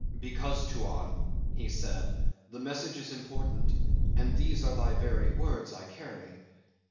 "Because, Tuan," he said, "the message is important, and these are thy very words I carry."